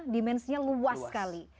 dimensinya luas sekali